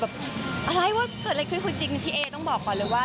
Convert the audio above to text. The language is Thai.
อะไรว่าเกิดอะไรขึ้นคือจริงพี่เอต้องบอกก่อนเลยว่า